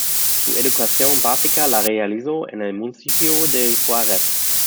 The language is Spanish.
Su educación básica la realizó en el municipio de Juárez.